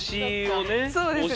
そうですね。